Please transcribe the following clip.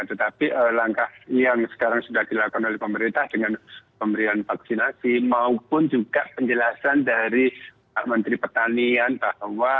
tetapi langkah ini yang sekarang sudah dilakukan oleh pemerintah dengan pemberian vaksinasi maupun juga penjelasan dari pak menteri pertanian bahwa